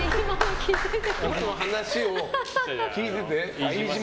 この話を聞いてて？